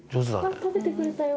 食べてくれたよ。